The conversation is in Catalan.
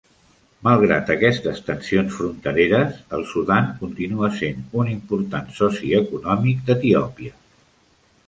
Malgrat aquestes tensions frontereres, el Sudan continua sent un important soci econòmic d'Etiòpia.